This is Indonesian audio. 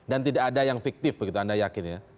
dan tidak ada yang fiktif begitu anda yakin ya